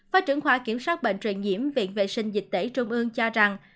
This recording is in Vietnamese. phó trưởng khoa kiểm soát bệnh truyền nhiễm viện vệ sinh dịch tễ trung ương cho rằng